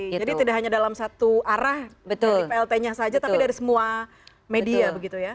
jadi tidak hanya dalam satu arah dari plt nya saja tapi dari semua media begitu ya